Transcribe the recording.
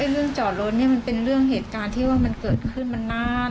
เรื่องจอดรถนี่มันเป็นเรื่องเหตุการณ์ที่ว่ามันเกิดขึ้นมานาน